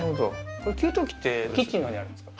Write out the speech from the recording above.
これ給湯器ってキッチンのほうにあるんですか？